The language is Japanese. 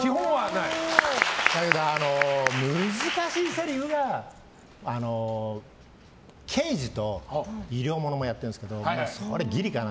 だけど、難しいせりふが刑事と医療物もやってるんですけどそれがぎりかな。